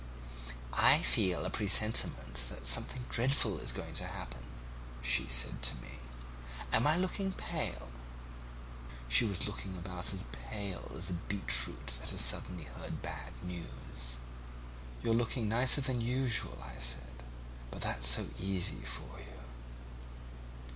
'I feel a presentiment that something dreadful is going to happen,' she said to me; 'am I looking pale?' "She was looking about as pale as a beetroot that has suddenly heard bad news. "'You're looking nicer than usual,' I said, 'but that's so easy for you.'